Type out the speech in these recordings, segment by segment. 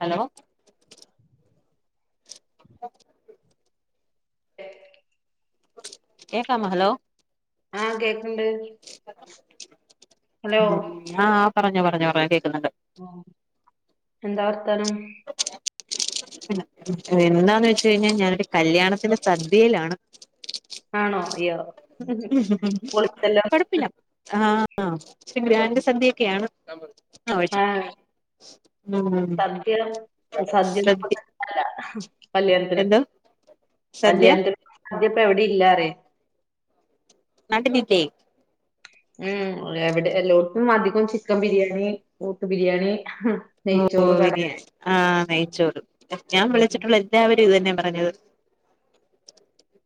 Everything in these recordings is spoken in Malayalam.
ഹലോ [unintelligible] [unintelligible] കേക്കാമോ ഹലോ ആ കേക്കണ്ട് ഹലോ ആ പറഞ്ഞോ പറഞ്ഞോ പറഞ്ഞോ കേക്കുന്നുണ്ട് അ എന്താ വർത്താനം പിന്നെ എന്താന്ന് വെച്ച് കഴിഞ്ഞാ ഞാനൊരു കല്യാണത്തിന്റെ സദ്യയിലാണ് ആണോ അയ്യോ ഹ് ഹ് പൊളിച്ചല്ലോ കൊഴപ്പില്ല ആ പിന്നെ ഗ്രാൻഡ് സദ്യക്കെയാണ് ആ ഒഴിച്ചോ ആഹ് സദ്യ സദ്യന്നൊക്കെ സദ്യ പറഞ്ഞ അല്ല കല്യാണത്തിന് എന്തോ സദ്യ കല്യാണത്തിന് അതിപ്പ എവിടെ ഇല്ലാറേയാ നാട്ടിലില്ലേ മ്മ് എവിടെ എല്ലോടത്തും അധികോ ചിക്കൻ ബിരിയാണി ഊട്ട് ബിരിയാണി ഓ ഓ നെയ്ച്ചോറ് കട ബിരിയാണി ആ നെയ്ച്ചോറ് ഞാൻ വിളിച്ചിട്ടുള്ള എല്ലാവരും ഇത് തന്നെ പറഞ്ഞത്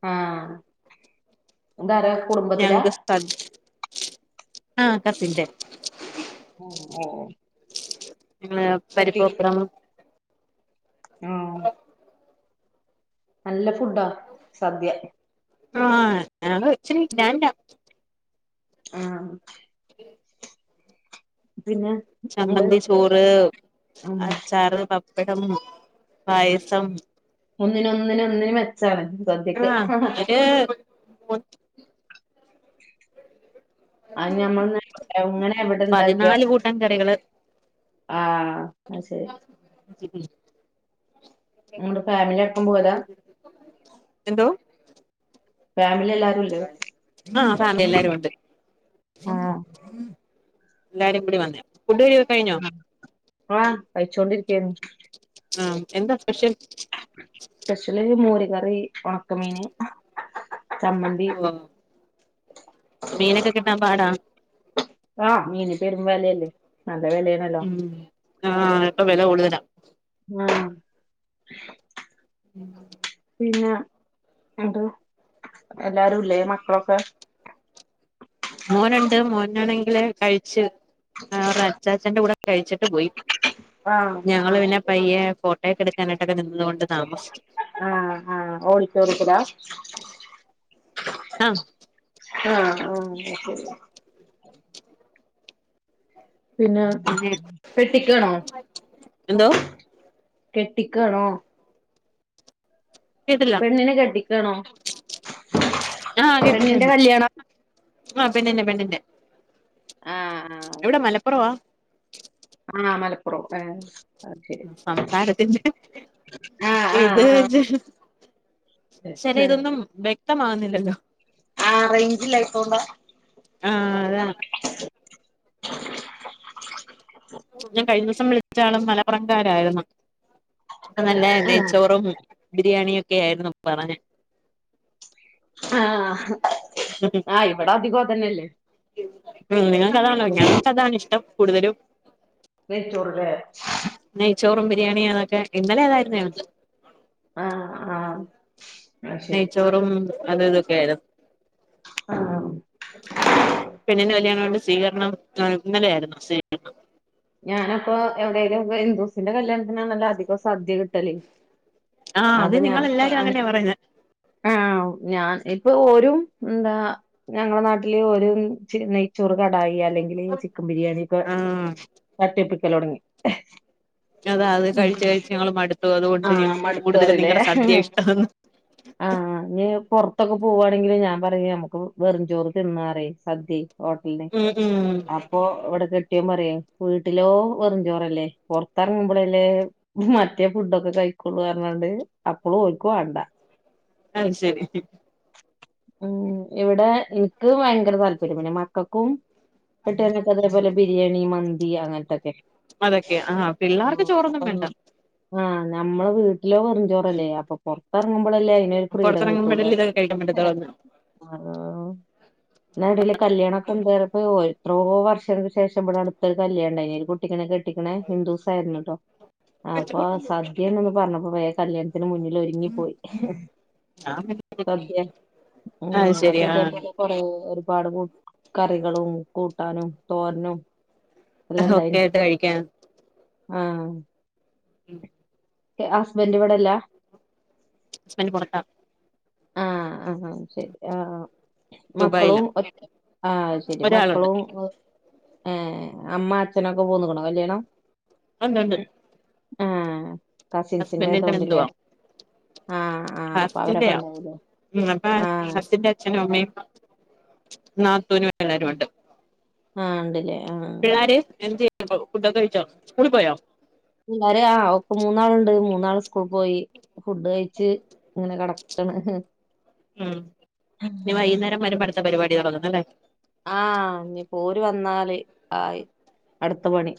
ആ എന്താറയാ ഞങ്ങക്ക് സ്ഥ ആ കസിൻ്റെ ഓ ഓ പിന്നെ പരിപ്പ് പപ്പടം ആഹ് [unintelligible] നല്ല ഫുഡാ സദ്യ ആ [unintelligible] ഇച്ചിരി ഗ്രാൻ്റാ ആ [unintelligible] പിന്നെ ന്നട്ട് ചമ്മന്തി ചോറ് ഉം അച്ചാറ് പപ്പടം പായസം ഒന്നിനൊന്നിനൊന്നിന് മെച്ചാണ് സദ്യക്ക് ആഹ് ഹ് ഹ് ഒരു അ ഞമ്മൾന്ന് എങ്ങനെ പതിനാല് എവിടെണ്ടാക്കിയാലും കൂട്ടം കറികള് ആഹ അയ് ശരി നിങ്ങള് ഫാമിലി അടക്കം പോയതാ [unintelligible] എന്തോ ഫാമിലിയെല്ലാരും ആഹ ഫാമിലിയെല്ലാരുണ്ട് ആഹ് എല്ലാരും കൂടി വന്നേ ഫുഡ് ക ആ കഴിച്ചോണ്ടിരിക്കേയിരുന്നു ആഹ എന്താ സ്പെഷ്യൽ സ്പെഷ്യല് മോര് കറി ഉണക്കമീന് ചമ്മന്തി മീനൊക്കെ കിട്ടാൻ പാടാ ആഹ് മീന് പെരും വെലയല്ല നല്ല വിലയണല്ലേ ഉം ആഹ ഇപ്പൊ വില കൂടുതലാ ആഹ ഉം പിന്നെ എന്ത് എല്ലാരും ഇല്ലേ മക്കളൊക്കെ മോനുണ്ട് മോനാണെങ്കില് കഴിച്ച് ആ അവരച്ചാച്ചന്റെ കൂടെ കഴിച്ചിട്ട് പോയി ആഹ് ഞങ്ങള് ആഹ് പിന്നെ പയ്യെ ഫോട്ടോയക്കെ എടുക്കാനായിട്ടൊക്കെ നിന്നത് കൊണ്ട് താമസിച്ച് ആഹ ആഹ ഓഡിറ്റോറിയത്തിലാ ആ ആഹ ആ അയ് ശരി പിന്നെ അങ്ങനെ കെട്ടിക്കാണോ എന്തോ കെട്ടിക്കാ ണോ കേട്ടില്ല പെണ്ണിനെ കെട്ടിക്കാണോ ആഹ് പെണ്ണിന്റെ കെട്ടികെട്ടിച്ചാണ്. കല്യാണം ആ പെണ്ണിന്റെ പെണ്ണിന്റെ ആഹ് എവിടെ മലപ്പുറവാ? ആഹ മലപ്പുറം ആ സംസാരത്തിന്റെ ആഹ് ആഹ് രീതി ആഹ് വെച്ച് ശരി ഇതൊന്നും വ്യക്തമാവുന്നില്ലല്ലോ. ആ റേഞ്ചില്ല ആയിട്ടോണ്ട ആഹ് അതാ എന്നെ കഴിഞ്ഞ ദിവസം വിളിച്ച ആൾ മലപ്പറകാരായിരുന്നു. ഇപ്പ നല്ല നെയ്ച്ചോറും ബിരിയാണി യൊക്കെ ആയിരുന്നു പറഞ്ഞെ. ആഹ ആ് ഇവിടെ അധികം ഇത ന്നെയല്ലേ. നിങ്ങകതാണോ ഞങ്ങ. ക്കു അതാണ് ഇഷ്ടം കൂടുതലും നെയച്ചോറ്ലെ നെയ്ചോറും ബിരിയാണി അതൊക്കെ ഇന്നലെ അതായിരുന്നു. ആഹ ആഹ നെയ്ച്ചോറും അത് ഇതൊക്കആയിരുന്നു ആഹ പെണ്ണിന്റെ കല്യാണം ആയിരുന്നത് കൊണ്ട് സ്വീകരണം? ഇന്നലെയായിരുന്നു സ്വീകരണം. ഞാനപ്പോ എവിടെലുംഹിന്ദുസിന്റെ കല്യാണത്തിനാണല്ലോ അധികം സദ്യ കിട്ടല്. ആഹ അത് അപ്പൊ നിങ്ങളെല്ലാരും അങ്ങനെ പറയുന്നേ. ആ ഞാൻ ഇപ്പൊ ഓരും എന്താ ഞങ്ങള നാട്ടില് ച നെയ്‌ച്ചോർ കടായി അല്ലെങ്കിൽ ചിക്കൻ ബിരിയാണി ഒക്കെ ഇപ്പൊ ആ തട്ടി ഒപ്പിക്കൽ തുടങ്ങി. അതാ അത് കഴിച്ച കഴിച്ച് ഞങ്ങൾ മടുത്തു. അതുകൊണ്ട് ആഹ് ഞങ്ങക്ക് മടുത്ത് കൂടുതലും നിങ്ങളുടെ സദ്യ ഇഷ്ടന്ന്. ആഹ ഞ് പുറത്തൊക്കെ പോവുവാണെങ്കില് ഞാൻ പറിം നമക്ക് വെറുംചോറ് തിന്നാറയും സദ്യ. ഹോട്ടലൽന്ന് ഉം ഉം ഇപ്പൊ ഇവിടെ കെട്ടിയോൻ പറയും വീട്ടിലോ വെറും ചോറല്ലേ പുറത്തിറങ്ങുമ്പോഴ അല്ലേ. മറ്റേ ഫുഡൊക്കെ കഴിക്കൊള്ളു പറഞ്ഞാണ്ട് അപ്പളും ഓൽക്ക് വാ ണ്ട. അത് ശരി ഉം ഇവിടെ എനിക്ക് ഭയങ്കര താല്പര്യംമില്ലെ മ മക്കക്കും കെട്ടിയോനും അതേപോലെ ബിരിയാണി മന്തി അങ്ങനത്തൊക്കെ അതൊക്കെ ആഹ് പിള്ളേർക്ക് ചോറൊന്നും വേണ്ട നം ആഹ് നമ്മളെ വീട്ടില് വെറും ചോറലെ അപ്പൊ പുറത്തിറങ്ങുമ്പോള്ളല്ലേ അയിന് പുറത്തിറങ്‌ബോൾ അലെ ഇതൊക്കെ കഴിക്കാൻ പറ്റതുള്ളു എന്ന് ആ എന്നാടയില് കല്യാണൊക്കെ വെറപ്പ് പോയി എത്രോ വർഷങ്ങൾക്ക് ശേഷം ഇവിടെ അടുത്തൊരു കല്യാണം ഇണ്ടായിൻ ഒരു കുട്ടിക്കണെ കെട്ടിക്കണെ ഹിന്ദൂസായിരുന്നു കേട്ടോ അപ്പൊ സദ്യന്ന് പറഞ്ഞപ്പോ വേഗം കല്യാണത്തിന് മുന്നിൽ ഒരുങ്ങി പോയി ഞാൻ പിന്നെ സദ്യ ഉം അതു ആ ഇതേപോലെ കുറേ ഒരുപാട് കറികളും കൂട്ടാനും തോരനും എല്ലാംണ്ടായിന് ഒക്കെ ആയിട്ട് കഴിക്കാൻ അഹ് ഉം ഹസ്ബൻഡ് ഇവിടെല്ല ഹസ്ബന്റ് പുറത്ത അഹ് അഹമ് ശരി ആ മക്കളും ദുബായിലാ ആ ശരി ഒരാളുണ്ട് മക്കളും ഏ അമ്മ അച്ഛനൊക്കെ പോന്നിക്കണോ കല്യാണം ഉണ്ട്ണ്ട് ഏഹ് ഹുസ്ബന്റിന്റെ ബന്ധുവ ആഹ് ആഹ് അപ്പൊ അവരൊക്കെ ഹാസിൻന്റെയാ ഉണ്ടാവൂലേ ഹ്മ്മ് അപ്പൊ ആഹ് ഹാസിൻന്റെ അച്ഛനും അമ്മയും നാത്തൂന് എല്ലാരു ഉണ്ട് ആഹ് ണ്ട്ലേ ആഹ് പിള്ളേര് എന്ത് ചെയ്യ പ്പം ഫുഡൊക്കെ കഴിച്ചോ സ്കൂളി പോയോ പിള്ളേര് ആ ഒക് മൂന്നാളുണ്ട് മൂന്നാൾ സ്കൂൾ പോയി ഫുഡ് കഴി ച്ച് ഇങ്ങനെ കിടക്കണ് ഉം ഇനി വൈകുന്നേരം വരുമ്പോ അടുത്തെ പരിപാടി തുടങ്ങുന്നു അല്ലേ ആഹ് ഇനി പ്പോ ല് വന്നാല് ആയി അടുത്ത പണി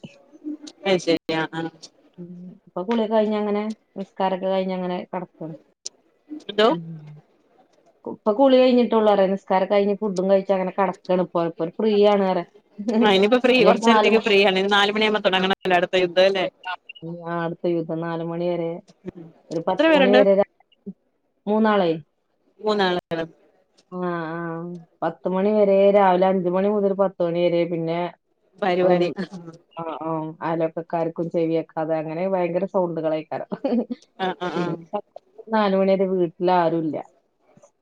കഴിച്ചേ ഗ്രാന്റ് ഉം ഇപ്പൊ കുളിയൊക്കെ കഴിഞ്ഞ അങ്ങനെ നിസ്കാരൊക്കെ കഴിഞ്ഞ അങ്ങനെ കടക്കാണ് എന്തോ ഉം ഇപ്പ കുളി കഴിഞ്ഞട്ടുള്ളൂ അറയ നിസ്കാര കഴിഞ് ഫുഡും കഴിച്ച് അങ്ങനെ കട താ ണ്പോയപ്പോ ഒരു ഫ്രീ ആണ് അറയ ആ ഇനിയിപ്പോ ഫ്രീ ഇനി ഒരു നാല് മണി ആഹ് എല്ലായിടത്തും യുദ്ധല്ലെ [inaudible] അടുത്ത യുദ്ധം നാല് മണി വരെ ഒരു എത്ര പത്ത് മണി പേരുണ്ട് വരെ ര മൂന്നാളേ മൂന്നാളാണ് ആഹ് ആഹ് പത്തുമണി വരെ രാവിലെ അഞ്ചുമണി മുതൽ പത്തുമണി വരെ പിന്നെ ഒന്ന് പരുവാടി ആഹ് ആഹ് അയലക്കകാര്കും ചെവിയെക്കാതെ അങ്ങനെ ഭയങ്കര സൗണ്ടുകൾ യെക്കാരം ആ ആ ആ പിന്നെ നാലുമണി വരെ വീട്ടില് ആരുല്ല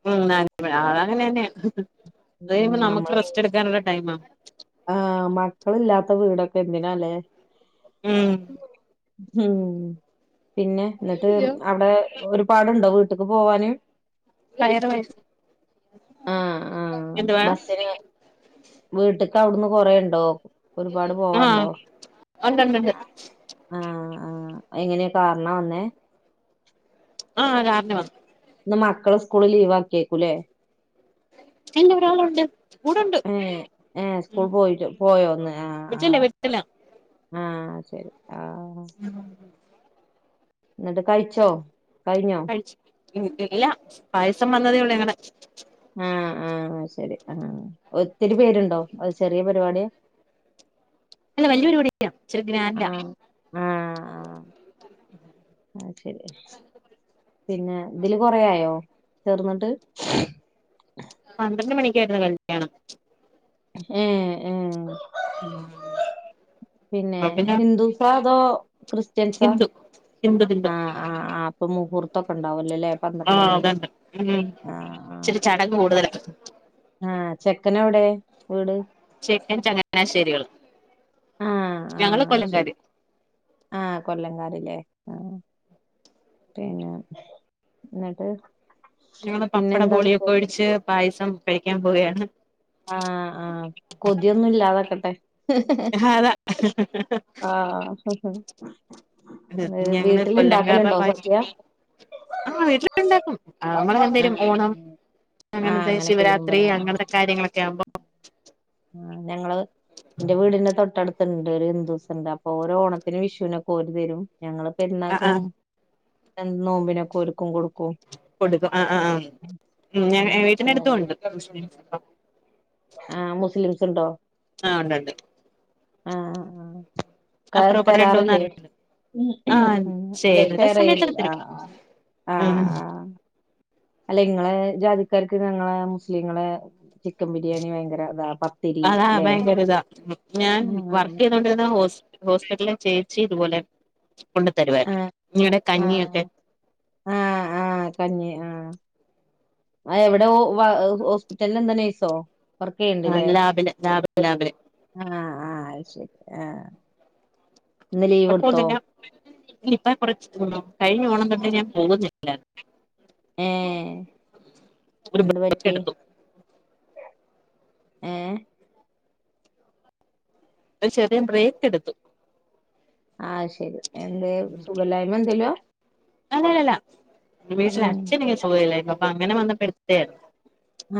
ഉം അതെ അതാങ്ങനെന്നെയ അത് ഉം കഴിയുമ്പോ നമുക്ക് റെസ്റ്റ് എടുക്കാനുള്ള ടൈമ അഹ് മക്കൾ ഇല്ലാത്ത വീടൊക്കെ എന്തിനാല്ലേ മ് മ് പിന്നെ ന്നട്ട് അവിടെ ഒരു പാടുണ്ടോ വീട്ടക്ക് പോവാന് [unintelligible] വയസ് ആഹ് ആഹ് എന്തുവ ബസ്സിന് വീട്ട്ക്ക് അവിടുന്ന് കൊറേ ണ്ടോ ഒരുപാട് ആഹ് പോവാണ്ടോ ഉണ്ടുണ്ടുണ്ട് ആഹ് ആഹ് ആഹ് എങ്ങനെയാ കാറിനാ വന്നേ ആഹ് കാറ് നുവന്നു ഇന്ന് മക്കള സ്കൂൾ ലീവാക്കിയേക്കുല്ലെ ഇല്ല ഒരാളുണ്ട് കൂടെണ്ട് ഏഹ് ഏഹ് ഉം സ്കൂൾ പോയിട്ട് പോയോന്ന് ആഹ് [unintelligible] ആഹ് ട്ടില്ല ആഹ് ശരി ആഹ് [unintelligible] ന്നിട്ട് കഴിച്ചോ കഴിഞ്ഞോ കഴിച്ച് തിന്നിട്ടില്ല. പായസം വന്നതേ ഒള്ളൂ ഞങ്ങളെ ആഹ് ആഹ് അ ശരി ആ ഒത്തിരി പേരുണ്ടോ അത് ചെറിയ പരിപാടിയ അല്ല വല്ല്യ പരിപാടി ന്നെ [unintelligible] ഗ്രാന്റാ ആഹ് അഹ് ശരി പിന്നെ ഇതില് കൊറേ ആയോ ചേർന്നിട്ട് പന്ത്രണ്ട് മണിക്കാരുന്നു കല്യാണം ഏ എഹ് ഉം പിന്നെ ഹിന്ദൂസാ അതോ ക്രിസ്ത്യൻസാ ഹിന്ദു ഹിന്ദു ഹിന്ദു ആഹ് ആഹ് ആഹ് അപ്പൊ മുഹൂർത്തൊക്കെ ണ്ടാവല്ലൊല്ലെ ആഹ് അതണ്ട്ഉം ഇച്ചിരി ചടങ്ങ് കൂടുതലാ ആഹ് ആഹ് ചെക്കൻ എവിടെ വീട് ചെക്കൻ ചങ്ങനാശ്ശേരികള് ആഹ് ഞങ്ങള് ആഹ് കൊല്ലം ശരി കാര് ആഹ് കൊല്ലംകാര് ലേ ആഹ് തേങ്ങാ ന്നിട്ട് ഞങ്ങള് പപ്പട ബോളിയൊക്ക ഒഴിച്ച് പായസം കഴിക്കാൻ പോക്‌യാണ് ആഹ് ആഹ് കൊതിയൊന്നും ഇല്ലാതാക്കട്ടെ അതാ ആഹ് പിന്ന ഞങ്ങള് വീട്ടില് കൊല്ലംകാരുടെ ഇണ്ടാക്കലുണ്ടോ പായസം സദ്യ ആഹ് വീട്ടില് ഇണ്ടാക്കും [unintelligible] ആഹ് ഓണം ആഹ് അങ്ങനെത്തെ അങ്ങനെയൊക്കെ ശിവരാത്രി വരുമ്പല്ലേ ആഹ് അങ്ങനെ കാര്യങ്ങളൊക്കെ ആകുമ്പം ആഹ് ഞങ്ങള് ഇന്റെ വീടിന്റെ തൊട്ടടു ഇത്ണ്ട് ഒരു ഹിന്ദൂസ് ഉണ്ട് അപ്പൊ ഓരോ ഓണത്തിലു വിഷൂനൊക്ക ഓര് തരും ഞങ്ങള ആഹ് പെര്നാക്കും ആഹ് ഞാൻ നോമ്പിനക്കൊ ഒരുക്കും കൊടുക്കും കൊടുക്കും ആഹ് അഹ് അം ഉമ് ഞാൻ അങ്ങനെ [unintelligible] ഷെയർ ടുത്തും ചെയ്യും ഒണ്ട് മുസ്ലീമ്സ് അ ആഹ് മുസ്ലീമ്‌സ്സ് ഉണ്ടോ ആഹ് ഒണ്ടൊണ്ട് ആഹ് ആഹ് അപ്പുറം [unintelligible] ഇപ്പുറം രണ്ട് മൂന്നാല് തരാറില്ലേ വീടുണ്ട് ഉമ് ആഹ് ഉമ് ഇല്ല എനിക്കറിയില്ല ഉമ് അല്ല ഇങ്ങളെ ജാതിക്കാർക്ക് ഞങ്ങളെ മുസ്ലീങ്ങളെ ചിക്കൻ ബിരിയാണി ഭയങ്കര ഇതാ പത്തിരി അതാ ഇല്ലെ [unintelligible] തോണ്ടിരുന്ന ഹോസ് ഹോസ്പിറ്റല്‌ ലെ ചേച്ചി ഇതുപോലെ കൊണ്ട് തരുവാരുന്നു ആഹ് ഇങ്ങടെ ആഹ് കഞ്ഞിയൊക്കെ ആഹ് ആഹ് കഞ്ഞി ആഹ് അഹ് എവിടെ ഹോ വ ഇഹ് ഹോസ്പിറ്റലില് എന്താ നഴ്‌സോ വർക്കെയ്യണ്‌ണ്ടല്ലേ ലാബില് ലാബ് ലാബില് ആഹ് ആഹ് അത് ശരി ആഹ് ഇന്ന് ലീവ് ഇപ്പ എടുത്തോ പോകുന്നില്ല ഇപ്പ കുറച്ച് [unintelligible] കഴിഞ്ഞ ഓണം തൊട്ട് ഞാൻ പോകുന്നില്ല ഇല്ല ഏഹ് ഒരു എന്ത് പറ്റി ബ്രേക്കെടുത്തു ഏഹ് ഒരു ചെറിയ ബ്രേക്കെടുത്തു ആഹ് ശരി എന്ത് സുഖല്ലായ്മ എന്തലോ അങ്ങെനെയല്ല ഉം അച്ഛനിങ്ങനെ സുഖായില്ലായിരുന്നപ്പം അങ്ങനെ വന്നപ്പം എടുത്തെയാ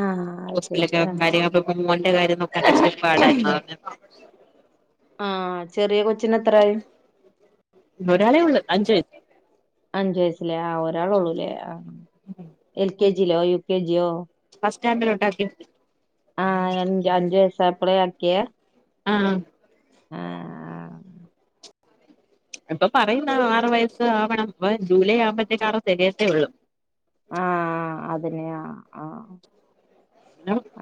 ആഹ് അത് ശരി ഹോ്പിറ്റലക്കെ കാര്യ മോന്റെ കാര്യ ക്കക്കെ നോക്കാൻ ചിരി ആഹ് പ്പാടായിരുന്നു [unintelligible] ആഹ് ചെറിയ കൊച്ചന് എത്രായി ഒരാളെ ഉള്ളൂ അഞ്ചു അഞ്ചു വയസ്സിലേ ആഹ് ഒരാളു ള്ളൂലേ ആഹ് എൽ കെ ജി യിലോ യു കെ ജിയോ ഫസ്റ്റാൻണ്ടിലോട്ട് [unintelligible] ആഹ് എന്റ് അഞ്ചു വയസ്സ് ആയപ്പളെ ആക്കിയേ ആഹ് ആഹ് ഇപ്പ പറയുന്നാ ആറു വയസ്സാവണം ജൂലൈ ആവുമ്പത്തേക്കാറ് തെകയത്തേ ഒള്ളു ആഹ് അതന്നെ ആഹ്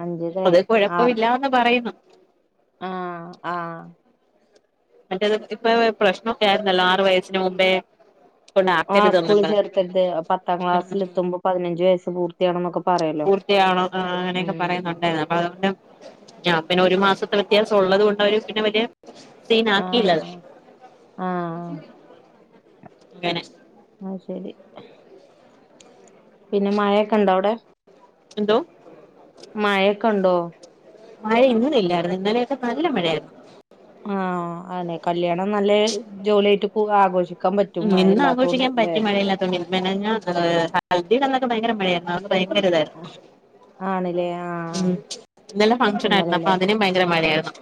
അഞ്ചരേ ആർ പ പറയുന്നു ആഹ് ആഹ് മറ്റേത് ഇതിപ്പോ പ്രശ്നൊക്കെ ആരുന്നല്ലോ ആറ് വയസ്സിന് മുമ്പേ ആഹ് കൊണ്ടാക്കരുതെന്നും സ്കൂളി പറഞ്ഞ് ചേർത്തര്ത് പത്താം ക്ലാസ്സിലെത്തുമ്പ പതിനഞ്ച് വയസ്സ് പൂർത്തിയാകണൊന്നൊക്കെ പറയ് പൂർത്തിയാവാണം ആഹ് ആഹ് അങ്ങനെയൊക്കെ പറയുന്നുണ്ടേ കൊണ്ടും ഞാ പിന്നെ ഒരു മാസത്തെ വ്യത്യാസം ഒള്ളതു കൊണ്ട് അവര് പിന്നെ വല്യ സീനാക്കിയില്ല ആഹ് ആഹ് ആഹ് അവര് ഇങ്ങനെ ആഹ് ശരി പിന്നെ മയൊക്കെ ഉണ്ടോ അവിടെ എന്തോ മയൊക്കെ ഉണ്ടോ മഴ ഇന്നില്ലായിരുന്നു ഇന്നലെയൊക്കെ നല്ല മഴയാരുന്നു ആഹ് ആനെ കല്യാണം നല്ലേ ജോലിയായിട്ട് പൂവ ആഘോഷിക് ഉം ഇന്നാഘോഷിക്കാൻ പറ്റിയ മഴയില്ലാത്തോണ്ടേ മിനിഞ്ഞാന്ന് ഹൽദിന്നൊക്കെ ഭയങ്കര മഴയാരുന്നു ഭയങ്കരിതായിരുന്നു ആണ്ല്ലേ ഉം ആഹ് ഇന്നലെ ഫംഗഷനായിരുന്നു അപ്പം ഇന്നലെല്ലേ അതിനും ഭയങ്കര മഴയാരുന്നു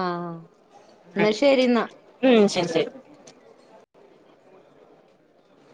ആഹ് എന്നാ ശരി എന്നാ ഉം ശരി ശരി